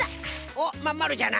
おっまんまるじゃな！